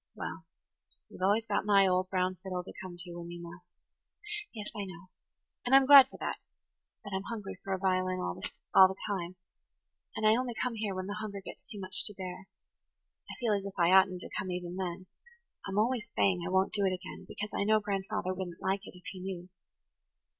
"Well, you've always got my old brown fiddle to come to when you must." "Yes, I know. And I'm glad for that. But I'm hungry for a violin all the time. And I only come here when the hunger gets too much to bear. I feel as if I oughtn't to come even then–I'm always saying I won't do it again, because I know grandfather wouldn't like it, if he knew."